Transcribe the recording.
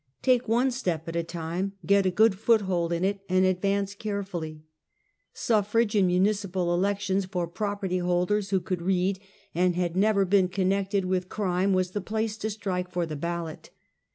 Take one step at a time, get a good foothold in it and advance carefully. Suf frage in municipal elections for property holders who could read, and had never been connected with crime, was the place to strike for the ballot.